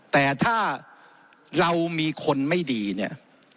แต่ถ้าเรามีคนไม่ดีเนี่ย